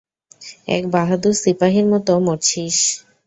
এক বাহাদুর সিপাহীর মতো মরছিস।